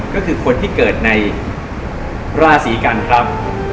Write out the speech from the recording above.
ก็คือคนที่เกิดในราศีกันครับ